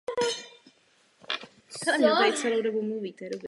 Získala tak celkově třetí titul na grandslamu a jediný z Australian Open.